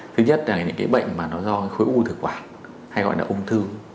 thứ nhất là những cái bệnh mà nó do khối u thực quản hay gọi là ung thư